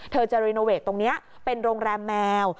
เธอจะตรงนี้เป็นโรงแรมแมว